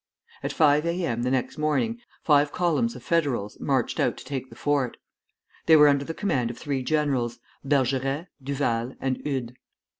At five A. M. the next morning five columns of Federals marched out to take the fort. They were under the command of three generals, Bergeret, Duval, and Eudes.